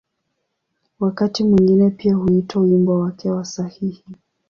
Wakati mwingine pia huitwa ‘’wimbo wake wa sahihi’’.